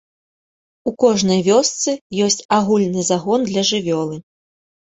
У кожнай вёсцы ёсць агульны загон для жывёлы.